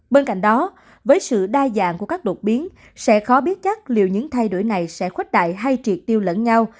bên cạnh đó với sự đa dạng của các đột biến sẽ khó biết chắc liệu những thay đổi này sẽ khuếch đại hay triệt tiêu lẫn nhau